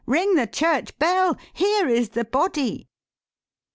Ring the church bell! Here is the body!"